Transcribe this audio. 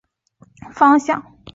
厕所位于月台国分寺方向。